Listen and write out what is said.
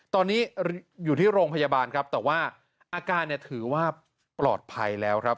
ตอนนี้อยู่ที่โรงพยาบาลครับแต่ว่าอาการเนี่ยถือว่าปลอดภัยแล้วครับ